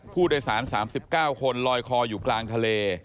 ผู้โดยสาร๓๙คนลอยคออยู่กลางทะเล